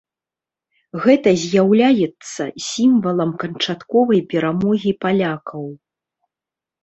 Гэта з'яўляецца сімвалам канчатковай перамогі палякаў.